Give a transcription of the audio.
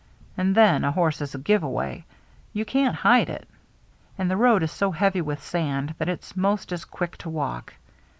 And then a horse is a give away — you can't hide it. And the road is so heavy with sand that it's 'most as (jiiick fo walk.